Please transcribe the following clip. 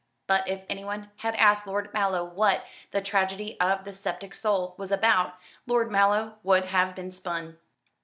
But if anyone had asked Lord Mallow what "The Tragedy of a Sceptic Soul" was about, Lord Mallow would have been spun.